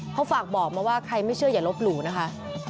เขาฝากบอกมาว่าใครไม่เชื่ออย่าลบหลู่นะคะ